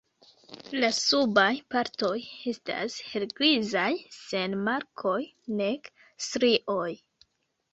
La subaj partoj estas helgrizaj sen markoj nek strioj.